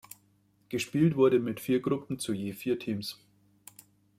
Gespielt wurde mit vier Gruppen zu je vier Teams.